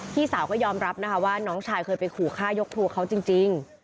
พี่สาวก็ยอมรับนะคะว่าน้องชายเคยไปขู่ฆ่ายกครัวเขาจริง